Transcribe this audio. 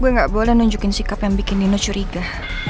gue gak boleh nunjukin sikap yang bikin dino curiga